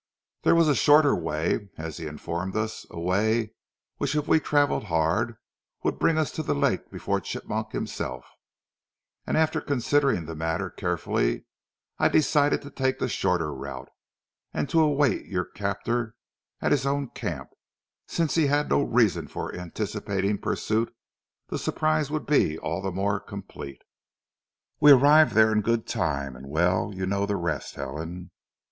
There was a shorter way, as he informed us, a way which if we travelled hard, would bring us to the lake before Chigmok himself; and after considering the matter carefully I decided to take the shorter route, and to await your captor at his own camp, since, as he had no reason for anticipating pursuit, the surprise would be all the more complete. We arrived there in good time, and well, you know the rest, Helen."